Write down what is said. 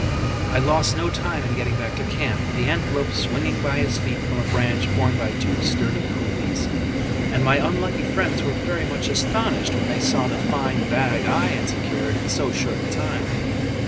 I lost no time in getting back to camp, the antelope swinging by his feet from a branch borne by two sturdy coolies: and my unlucky friends were very much astonished when they saw the fine bag I had secured in so short a time.